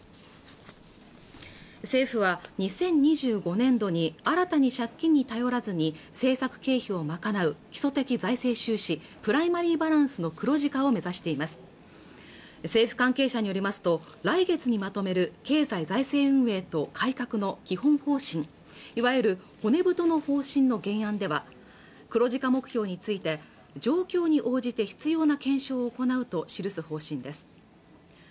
政府は２０２５年度に新たに借金に頼らずに政策経費を賄う基礎的財政収支＝プライマリーバランスの黒字化を目指しています政府関係者によりますと来月にまとめる経済財政運営と改革の基本方針いわゆる骨太の方針の原案では黒字化目標について状況に応じて必要な検証を行うと記す方針です